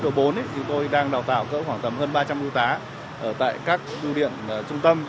thì tôi đang đào tạo khoảng tầm hơn ba trăm linh bưu tá ở các bưu điện trung tâm